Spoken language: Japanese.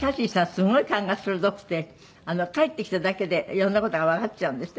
すごい勘が鋭くて帰ってきただけでいろんな事がわかっちゃうんですって？